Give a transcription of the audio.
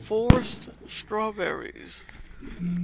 Forced: Strawberries. 34.